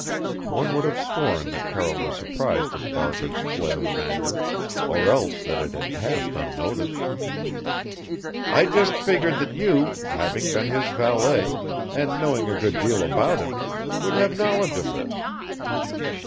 One would have sworn that Carroll was surprised at Barker's flare of anger or else that it had passed unnoticed. "I just figured that you, having been his valet, and knowing a good deal about him, would have knowledge of this."